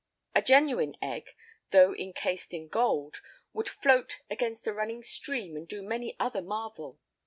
A genuine egg, though encased in gold, would float against a running stream and do many another marvel.